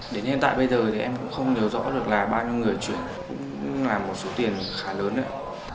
đến hiện tại bây giờ thì em cũng không hiểu rõ được là bao nhiêu người chuyển cũng là một số tiền khá lớn nữa